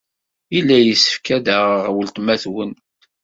Yella yessefk ad aɣeɣ weltma-twent.